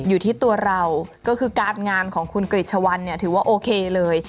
อยู่ที่ตัวเราก็คือการงานของคุณกริจชวัลเนี่ยถือว่าโอเคเลย